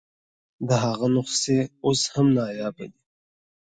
د هغه نسخې اوس هم نایابه دي.